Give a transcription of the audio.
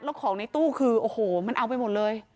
แล้วของในตู้คือโอ้โหมันเอาไปหมดเลย